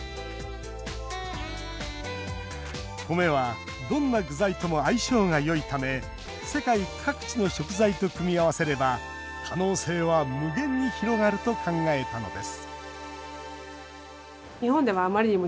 コメは、どんな具材とも相性がよいため世界各地の食材と組み合わせれば可能性は無限に広がると考えたのです